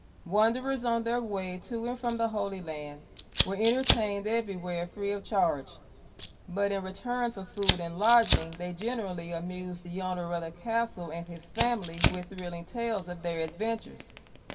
Wanderers on their way to and from the Holy Land, were entertained everywhere free of charge ; but in return for food and lodging they generally amused the owner of the castle and his family with thrilling tales of their adventures.